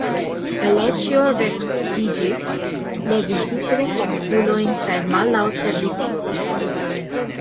Aleĉjo rektiĝis, levis supren la okulojn kaj mallaŭte ripetis.